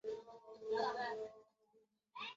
他们主要是从古希腊作家希罗多德的着作闻名。